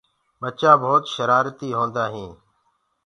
ٻچآ ڀوت شرآرتي هوندآ هينٚ۔